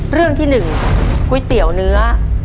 เรื่องที่หนึ่งกุยเตี๋ยวเนื้อ